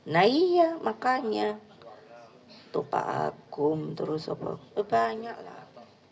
nah iya makanya tupak agung terus obok banyaklah